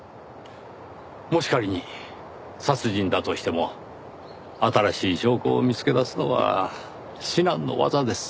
もし仮に殺人だとしても新しい証拠を見つけ出すのは至難の業です。